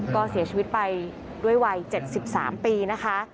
ก็เสียชีวิตไปด้วยวัย๗๓ปีนะคะ